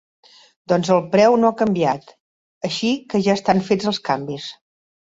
Doncs el preu no ha canviat, així que ja estan fets els canvis.